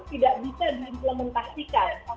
tidak bisa diimplementasikan